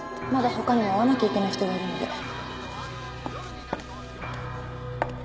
まだ他にも会わなきゃいけない人がいるので。